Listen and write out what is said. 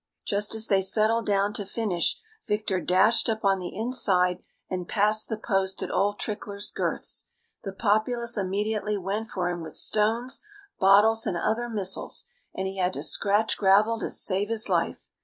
Just as they settled down to finish Victor dashed up on the inside, and passed the post at old Trickler's girths. The populace immediately went for him with stones, bottles, and other missiles, and he had to scratch gravel to save his life.